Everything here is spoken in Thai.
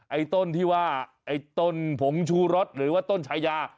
ไอ้ต้นที่ว่าไอ้ต้นผงชูรสหรือว่าต้นชายา